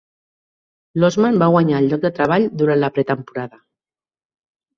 Losman va guanyar el lloc de treball durant la pretemporada.